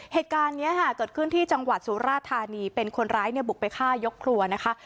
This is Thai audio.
เหตุการณ์นี้ค่ะเกิดขึ้นที่จังหวัดสุราธานีเป็นคนร้ายเนี่ยบุกไปฆ่ายกครัวนะคะ